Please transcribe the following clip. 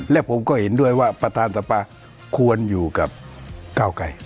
และผมก็เห็นด้วยว่าประธานสภาควรอยู่กับก้าวไกร